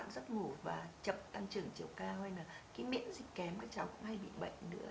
bắt ngủ và chậm tăng trưởng chiều cao hay là cái miễn dịch kém các cháu cũng hay bị bệnh nữa